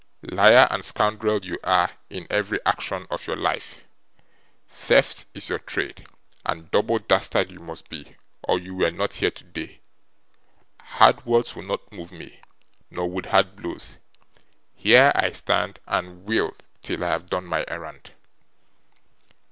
Liar and scoundrel you are, in every action of your life; theft is your trade; and double dastard you must be, or you were not here today. Hard words will not move me, nor would hard blows. Here I stand, and will, till I have done my errand.